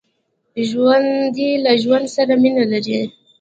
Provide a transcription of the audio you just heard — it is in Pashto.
ژوندي له ژوند سره مینه لري